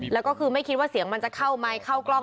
แล้วก็คือไม่คิดว่าเสียงมันจะเข้าไมค์เข้ากล้อง